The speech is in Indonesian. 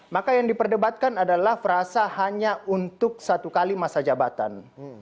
maka yang diperdebatkan adalah frasa hanya untuk satu kali masa jabatan